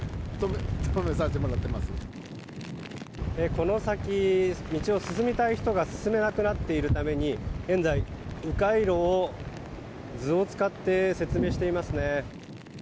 この先、道を進みたい人が進めなくなっているために現在、迂回路を図を使って説明してますね。